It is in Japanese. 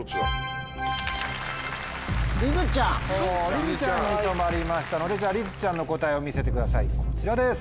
りづちゃんに止まりましたのでじゃありづちゃんの答えを見せてくださいこちらです。